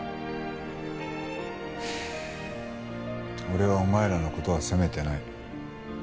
俺はお前らの事は責めてない。